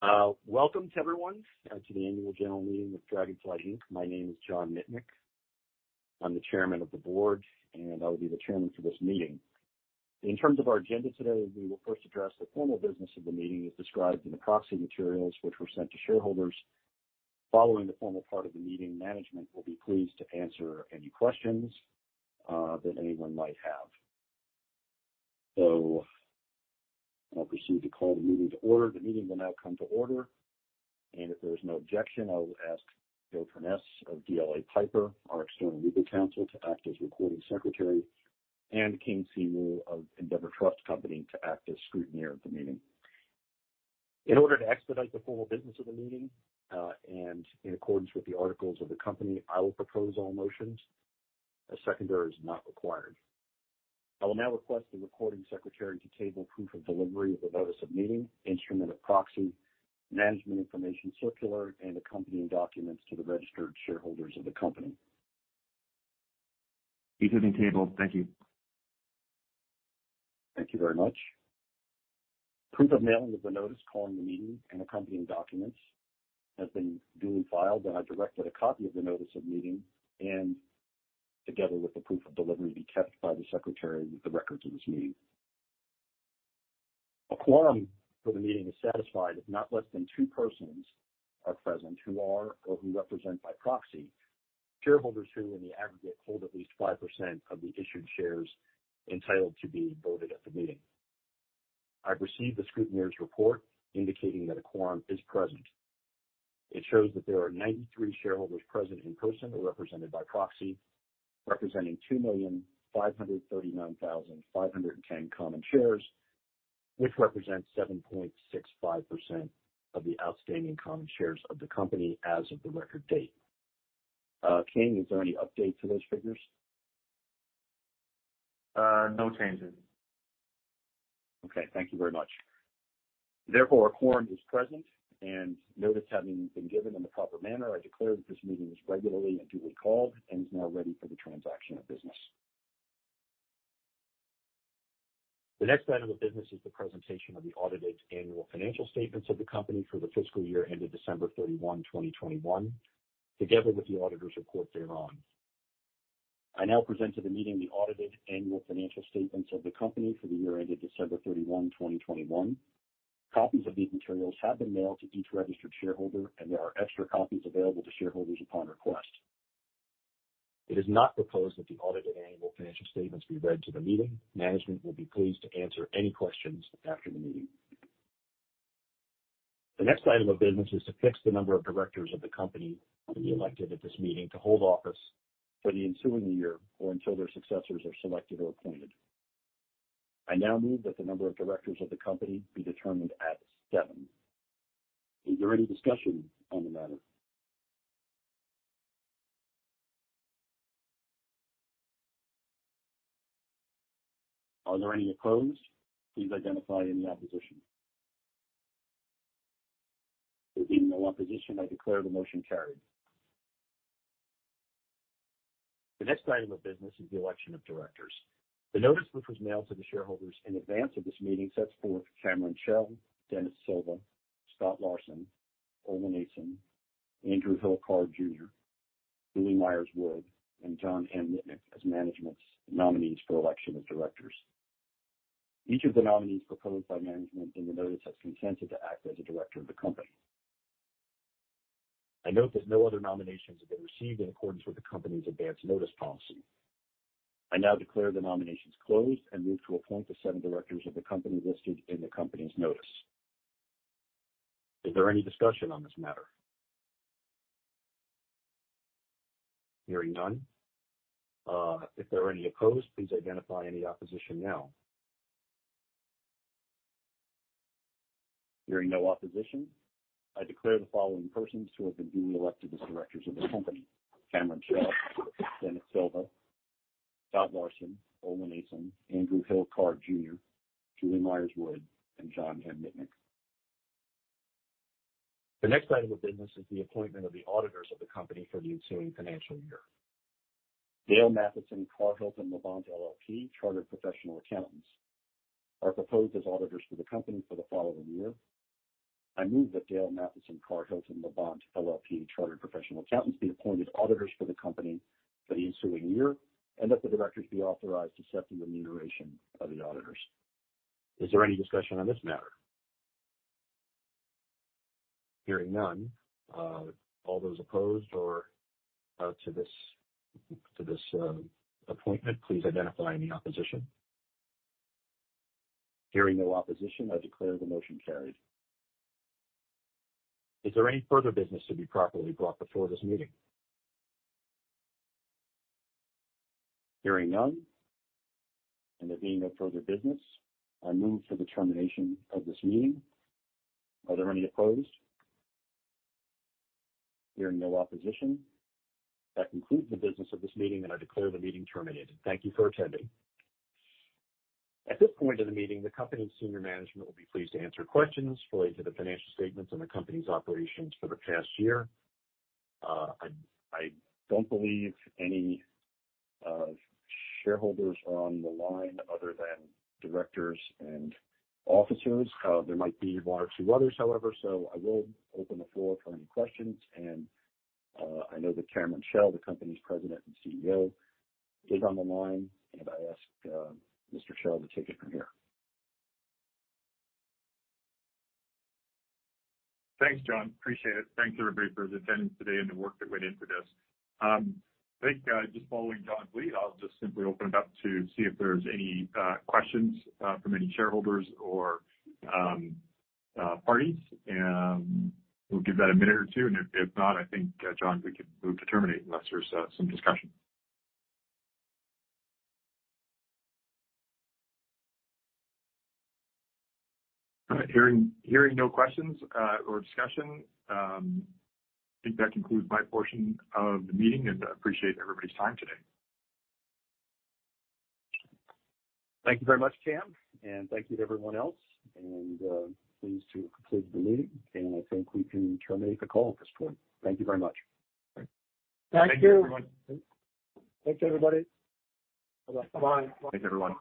Welcome to everyone, to the annual general meeting of Draganfly Inc. My name is John Mitnick. I'm the Chairman of the board, and I will be the Chairman for this meeting. In terms of our agenda today, we will first address the formal business of the meeting, as described in the proxy materials, which were sent to shareholders. Following the formal part of the meeting, management will be pleased to answer any questions that anyone might have. I'll proceed to call the meeting to order. The meeting will now come to order, and if there's no objection, I will ask Bill Furness of DLA Piper, our external legal counsel, to act as recording secretary, and Kane Seymour of Endeavor Trust Corporation to act as scrutineer of the meeting. In order to expedite the formal business of the meeting, and in accordance with the Articles of the company, I will propose all motions. A seconder is not required. I will now request the recording secretary to table proof of delivery of the Notice of Meeting, Instrument of Proxy, Management Information Circular, and accompanying documents to the registered shareholders of the company. These have been tabled. Thank you. Thank you very much. Proof of mailing of the notice calling the meeting and accompanying documents has been duly filed, and I directed a copy of the notice of meeting, and together with the proof of delivery, be kept by the secretary with the records of this meeting. A quorum for the meeting is satisfied if not less than two persons are present who are, or who represent by proxy, shareholders who, in the aggregate, hold at least 5% of the issued shares entitled to be voted at the meeting. I've received the scrutineer's report indicating that a quorum is present. It shows that there are 93 shareholders present in person or represented by proxy, representing 2,539,510 common shares, which represents 7.65% of the outstanding common shares of the company as of the record date. Kane, is there any update to those figures? No changes. Okay, thank you very much. Therefore, a quorum is present, and notice having been given in the proper manner, I declare that this meeting is regularly and duly called and is now ready for the transaction of business. The next item of business is the presentation of the audited annual financial statements of the company for the fiscal year ended December 31, 2021, together with the auditor's report thereon. I now present to the meeting the audited annual financial statements of the company for the year ended December 31, 2021. Copies of these materials have been mailed to each registered shareholder, and there are extra copies available to shareholders upon request. It is not proposed that the audited annual financial statements be read to the meeting. Management will be pleased to answer any questions after the meeting. The next item of business is to fix the number of directors of the company to be elected at this meeting, to hold office for the ensuing year or until their successors are selected or appointed. I now move that the number of directors of the company be determined at seven. Is there any discussion on the matter? Are there any opposed? Please identify any opposition. There being no opposition, I declare the motion carried. The next item of business is the election of directors. The notice, which was mailed to the shareholders in advance of this meeting, sets forth Cameron Chell, Denis Silva, Scott Larson, Olen Aasen, Andrew H. Card Jr., Julie Myers Wood, and John M. Mitnick as management's nominees for election as directors. Each of the nominees proposed by management in the notice has consented to act as a director of the company. I note that no other nominations have been received in accordance with the company's advance notice policy. I now declare the nominations closed and move to appoint the seven directors of the company listed in the company's notice. Is there any discussion on this matter? Hearing none, if there are any opposed, please identify any opposition now. Hearing no opposition, I declare the following persons to have been duly elected as directors of the company: Cameron Chell, Denis Silva, Scott Larson, Olen Aasen, Andrew H. Card Jr., Julie Myers Wood, and John M. Mitnick. The next item of business is the appointment of the auditors of the company for the ensuing financial year. Dale Matheson Carr-Hilton Labonte LLP, Chartered Professional Accountants, are proposed as auditors for the company for the following year. I move that Dale Matheson Carr-Hilton Labonte LLP, Chartered Professional Accountants, be appointed auditors for the company for the ensuing year, and that the directors be authorized to set the remuneration of the auditors. Is there any discussion on this matter? Hearing none, all those opposed or to this appointment, please identify any opposition. Hearing no opposition, I declare the motion carried. Is there any further business to be properly brought before this meeting? Hearing none, and there being no further business, I move for the termination of this meeting. Are there any opposed? Hearing no opposition, that concludes the business of this meeting, and I declare the meeting terminated. Thank you for attending. At this point of the meeting, the company's senior management will be pleased to answer questions related to the financial statements and the company's operations for the past year. I don't believe any shareholders are on the line other than directors and officers. There might be one or two others, however, so I will open the floor for any questions. I know that Cameron Chell, the company's President and CEO, is on the line, and I ask Mr. Chell to take it from here. Thanks, John. Appreciate it. Thanks, everybody, for the attendance today and the work that went into this. I think just following John's lead, I'll just simply open it up to see if there's any questions from any shareholders or parties, and we'll give that a minute or two. If not, I think, John, we can move to terminate unless there's some discussion. Hearing no questions or discussion, I think that concludes my portion of the meeting, and I appreciate everybody's time today. Thank you very much, Cam, and thank you to everyone else. And, pleased to have completed the meeting, and I think we can terminate the call at this point. Thank you very much. Thank you. Thank you, everyone. Thanks, everybody. Bye-bye. Thanks, everyone.